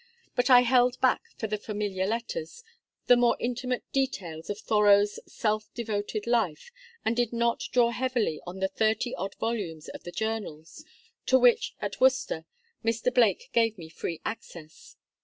But I held back for the "Familiar Letters" the more intimate details of Thoreau's self devoted life, and did not draw heavily on the thirty odd volumes of the Journals, to which, at Worcester, Mr. Blake gave me free access.